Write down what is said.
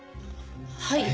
はい。